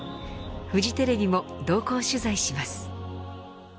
フジテレビも同行取材します。